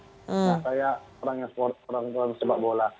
saya orang orang sepak bola